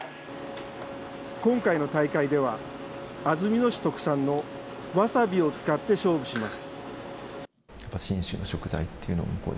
今回の大会では、安曇野市特産のワサビを使って勝負します。